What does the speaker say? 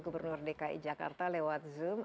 gubernur dki jakarta lewat zoom